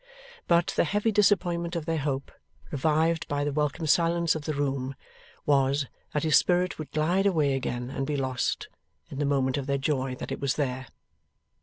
But, the heavy disappointment of their hope revived by the welcome silence of the room was, that his spirit would glide away again and be lost, in the moment of their joy that it was there.